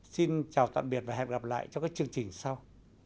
xin chào tạm biệt và hẹn gặp lại trong các chương trình sau